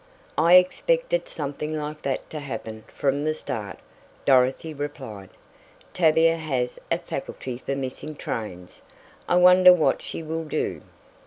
"I expected something like that to happen from the start," Dorothy replied. "Tavia has a faculty for missing trains. I wonder what she will do?"